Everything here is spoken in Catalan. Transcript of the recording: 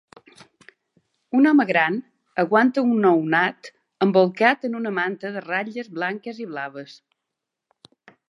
Un home gran aguanta un nounat embolcat en una manta de ratlles blanques i blaves.